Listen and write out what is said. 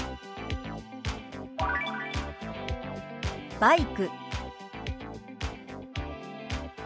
「バイク」。